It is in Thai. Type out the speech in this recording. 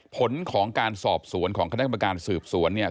ผลของการสอบสวนของคณะกรรมการสืบสวนเนี่ย